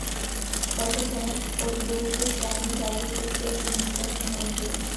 Stal se členem odboru pro správní záležitosti a komunikačního odboru.